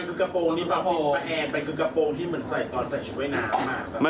มันคือกระโปรงที่ปรับปิดประแอมันคือกระโปรงที่มันใส่ตอนใส่ชุดเว้ยน้ำ